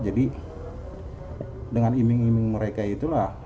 jadi dengan iming iming mereka itulah